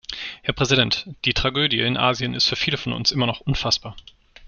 Herr Präsident! Die Tragödie in Asien ist für viele von uns immer noch unfassbar.